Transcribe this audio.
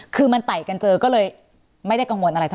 คือมันไต่กันเจอก็เลยไม่ได้กังวลอะไร